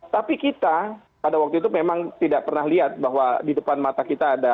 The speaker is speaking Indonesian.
tapi kita pada waktu itu memang tidak pernah lihat bahwa di depan mata kita ada